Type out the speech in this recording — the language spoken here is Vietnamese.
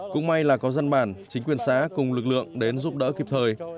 cũng may là có dân bản chính quyền xã cùng lực lượng đến giúp đỡ kịp thời